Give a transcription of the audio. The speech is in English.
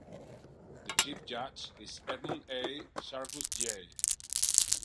The chief judge is Edmund A. Sargus J.